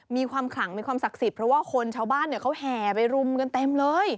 มีความขลังมีความศักดิ์สิทธิ์เพราะว่าคนชาวบ้านเขาแห่ไปรุมกันเต็มเลย